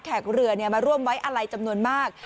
นักเรือเนี่ยมาร่วมไว้อะไรจำนวนมาก